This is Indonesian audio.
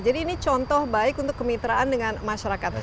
jadi ini contoh baik untuk kemitraan dengan masyarakat